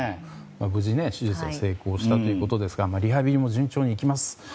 無事、手術が成功したということですがリハビリが順調にいった